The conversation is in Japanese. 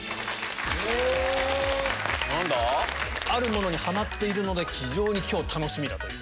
あるものにハマっているので非常に今日楽しみという。